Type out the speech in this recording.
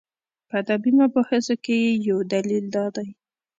په ادبي مباحثو کې یې یو دلیل دا دی.